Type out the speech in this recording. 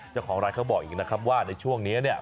เจ้าของร้านเขาบอกอีกนะครับว่าในช่วงนี้เนี่ย